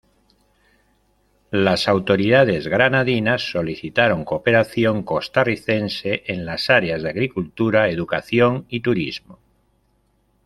Las autoridades granadinas solicitaron cooperación costarricense en las áreas de agricultura, educación y turismo.